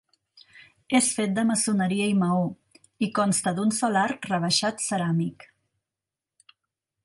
És fet de maçoneria i maó i consta d'un sol arc rebaixat ceràmic.